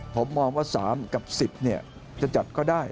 ผมมองว่า๓กับ๑๐จะจัดก็ได้